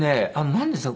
なんですか？